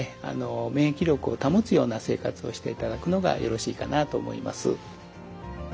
免疫力を保つような生活をしていただくのがよろしいかなと思います。